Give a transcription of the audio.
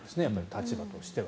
立場としては。